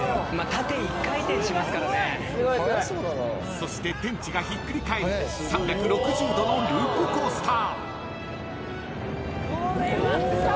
［そして天地がひっくり返る３６０度のループコースター］